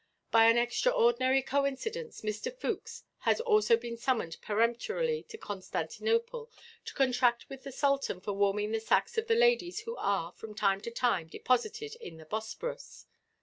By an extraordinary coincidence, Mr. Fookes has also been summoned peremptorily to Constantinople, to contract with the Sultan for warming the sacks of the ladies who are, from time to time, deposited in the Bosporus.